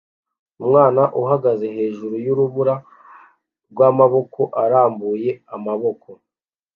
Umwana ahagaze hejuru yurubura rwamaboko arambuye amaboko